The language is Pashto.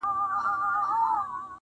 زه چي وګورمه تاته په لرزه سم.